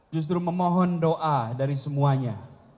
justru memohon doa dari semuanya